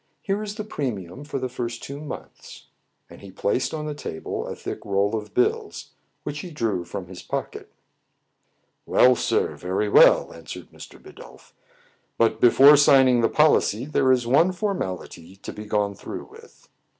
Here is the premium for the first two months." And he placed on the table a thick roll of bills, which he drew from his pocket. "Well, sir, very well," answered Mr. Bidulph. " But, before signing the policy, there is one for mality to be gone through with."